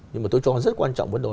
nhưng mà tôi cho rất quan trọng